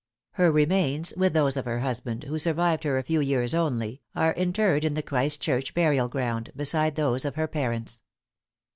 Her remains, with those of her husband, who survived her a few years only, are interred in the Christ Church burial ground, beside those of her parents.